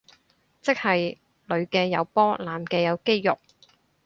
即係女嘅有波男嘅有肌肉